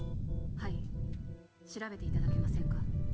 はい調べていただけませんか？